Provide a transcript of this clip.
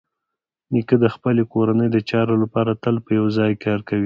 نیکه د خپلې کورنۍ د چارو لپاره تل په یوه ځای کار کوي.